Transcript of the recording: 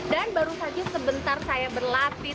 dan baru saja sebentar saya berlatih